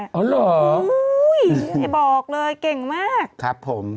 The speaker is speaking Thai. อ๋อเหรออุ้ยไม่บอกเลยเก่งมากครับผม